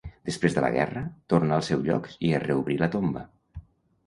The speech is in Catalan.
Després de la guerra, tornà al seu lloc i es reobrí la tomba.